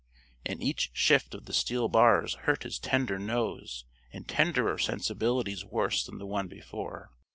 And each shift of the steel bars hurt his tender nose and tenderer sensibilities worse than the one before.